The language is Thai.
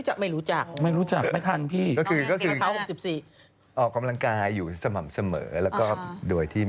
ใช้อากาศจากจีนไทยอินเดีย